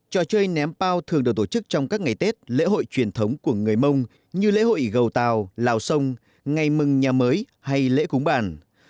trò chơi ném pau thường được tổ chức trong các ngày tết lễ hội truyền thống của người mông như lễ hội gầu tàu lào sông ngày mừng nhà mới hay lễ cúng bản